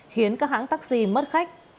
khiến các hãng taxi mất khách